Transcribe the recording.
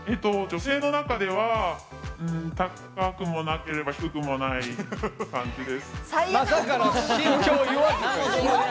女性の中では高くもなければ低くもない感じです。